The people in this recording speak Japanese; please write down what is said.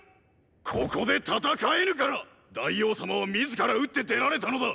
ここで戦えぬから大王様は自ら打って出られたのだ！